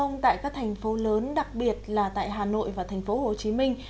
nhưng tại các thành phố lớn đặc biệt là tại hà nội và thành phố hồ chí minh